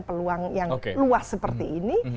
peluang yang luas seperti ini